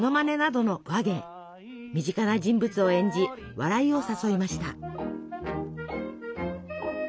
身近な人物を演じ笑いを誘いました。